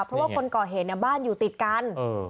เพราะว่าคนก่อเหตุเนี่ยบ้านอยู่ติดกัน